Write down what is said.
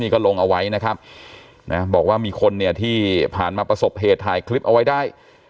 ก็ลงเอาไว้นะครับนะบอกว่ามีคนเนี่ยที่ผ่านมาประสบเหตุถ่ายคลิปเอาไว้ได้